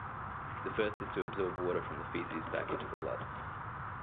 The first is to absorb water from the feces back into the blood.